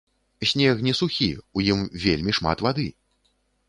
Снег не сухі, у ім вельмі шмат вады.